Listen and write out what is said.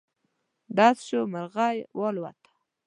ډز شو، مرغی والوته.